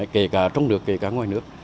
kể cả trong nước kể cả ngoài nước